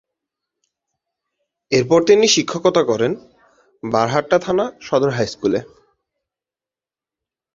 এরপর তিনি শিক্ষকতা করেন বারহাট্টা থানা সদরের হাইস্কুলে।